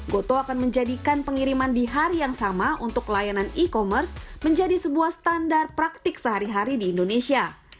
goto akan menjadikan pengiriman di hari yang sama untuk layanan e commerce menjadi sebuah standar praktik sehari hari di indonesia